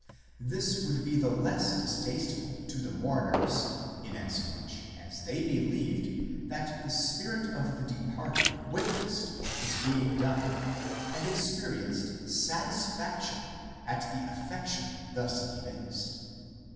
This would be the less distasteful to the mourners inasmuch as they believed that the spirit of the departed witnessed what was being done, and experienced satis faction at the affection thus evinced."